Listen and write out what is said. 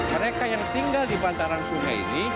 mereka yang tinggal di bantaran sungai ini